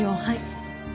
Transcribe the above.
はい。